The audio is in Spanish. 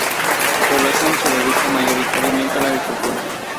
Su población se dedica mayoritariamente a la agricultura.